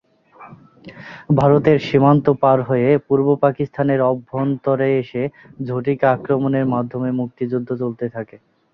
ভারতের সীমান্ত পার হয়ে পূর্ব পাকিস্তানের অভ্যন্তরে এসে ঝটিকা আক্রমণের মাধ্যমে মুক্তিযুদ্ধ চলতে থাকে।